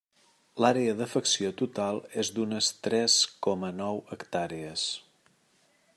L'àrea d'afecció total és d'unes tres coma nou hectàrees.